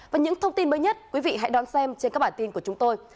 và những thông tin mới nhất quý vị hãy đón xem trên các bản tin của chúng tôi